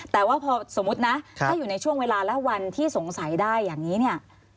แต่ว่าพอสมมุตินะถ้าอยู่ในช่วงเวลาและวันที่สงสัยได้อย่างนี้เนี่ย